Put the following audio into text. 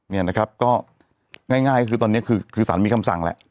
นี่นะครับก็ง่ายตอนนี้คือสารมีคำสั่งแล้ว